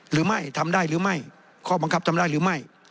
หรือไม่ทำได้หรือไม่ข้อบังคับทำได้หรือไม่